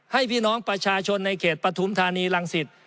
พี่น้องประชาชนในเขตปฐุมธานีรังสิต